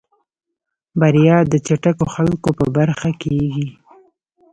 بريا د چټکو خلکو په برخه کېږي.